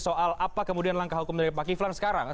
soal apa kemudian langkah hukum dari pak kiflan sekarang